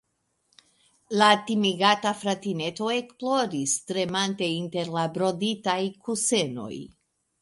La timigata fratineto ekploris, tremante inter la broditaj kusenoj.